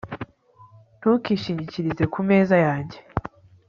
Ntukishingikirize ku meza yanjye